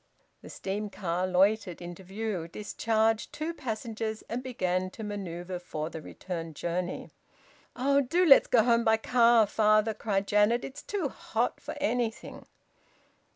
The steam car loitered into view, discharged two passengers, and began to manoeuvre for the return journey. "Oh! Do let's go home by car, father!" cried Janet. "It's too hot for anything!"